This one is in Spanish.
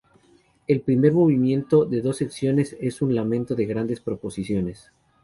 El primer movimiento en dos secciones es un lamento de grandes proporciones.